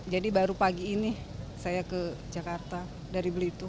jadi baru pagi ini saya ke jakarta dari blitung